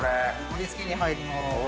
盛り付けに入ります。